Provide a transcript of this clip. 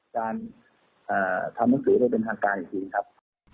การทำหนังสือได้เป็นทางการอีกทีครับ